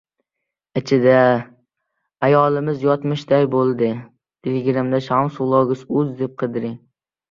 Ichida... ayolimiz yotmishday bo‘ldi!